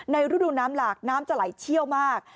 ฤดูน้ำหลากน้ำจะไหลเชี่ยวมาก